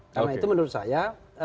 karena itu menurut saya